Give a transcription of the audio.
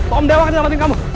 om dewa akan nyalain kamu